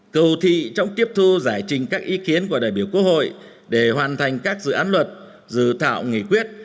cầu thi trong tiếp thu giải trình các ý kiến của đại biểu quốc hội để hoàn thành các dự án luật dự thạo nghỉ quyết